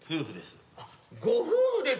夫婦です。